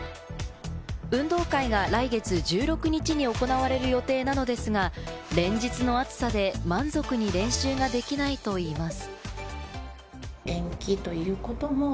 運動会が来月１６日に行われる予定なのですが、連日の暑さで、満足に練習ができないといいます。